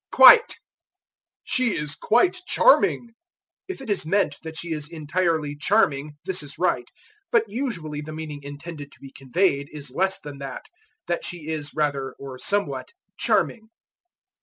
Quite. "She is quite charming." If it is meant that she is entirely charming this is right, but usually the meaning intended to be conveyed is less than that that she is rather, or somewhat, charming.